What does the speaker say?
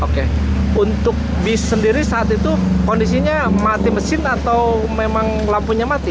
oke untuk bis sendiri saat itu kondisinya mati mesin atau memang lampunya mati